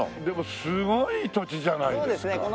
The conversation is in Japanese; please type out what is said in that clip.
でもすごい土地じゃないですか。